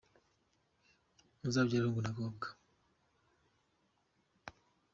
Muzabyare hungu na kobwa.